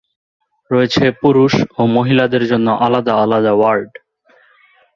রয়েছে পুরুষ ও মহিলাদের জন্য আলাদা আলাদা ওয়ার্ড।